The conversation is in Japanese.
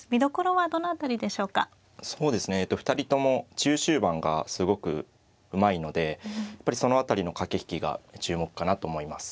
そうですね２人とも中終盤がすごくうまいのでやっぱりその辺りの駆け引きが注目かなと思います。